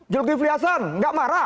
jul givli hasan nggak marah